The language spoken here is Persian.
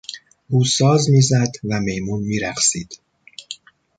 او ساز میزد و میمون میرقصید.